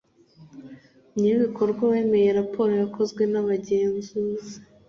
nyir ibikorwa wemeye raporo yakozwe n abagenzuzi